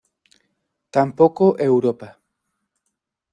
Tampoco Europa".